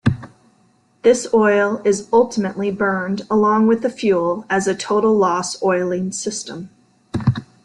This oil is ultimately burned along with the fuel as a total-loss oiling system.